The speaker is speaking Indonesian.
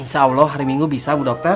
insya allah hari minggu bisa bu dokter